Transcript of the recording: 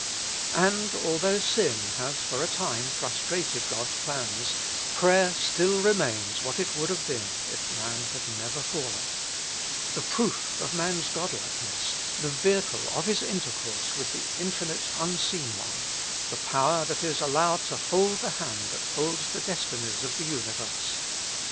And although sin has for a time frustrated God's plans, prayer still remains what it would have been if man had never fallen : the proof of man's Godlikeness, the vehicle of his inter course with the Infinite Unseen One, the power that is allowed to hold the hand that holds the destinies of the universe.